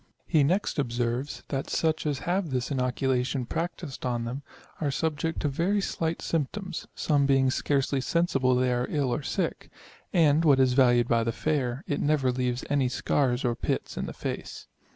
He next observes, that such as have this inoculation practised on them, are subject to very slight symptoms, some being scarcely sensible they are ill or sick ; and, what is valued by the fair, it never leaves any scars or pits in the face.